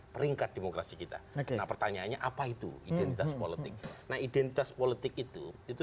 peringkat demokrasi kita nah pertanyaannya apa itu identitas politik nah identitas politik itu itu